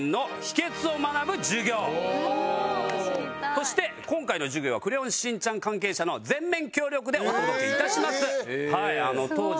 そして今回の授業は『クレヨンしんちゃん』関係者の全面協力でお届け致します。